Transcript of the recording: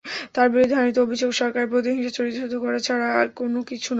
তাঁর বিরুদ্ধে আনীত অভিযোগ সরকারের প্রতিহিংসা চরিতার্থ করা ছাড়া অন্য কিছুই নয়।